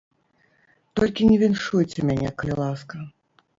Толькі не віншуйце мяне, калі ласка.